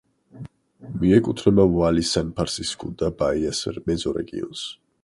მიეკუთვნება ვალი-სან-ფრანსისკუ-და-ბაიას მეზორეგიონს.